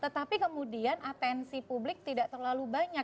tetapi kemudian atensi publik tidak terlalu banyak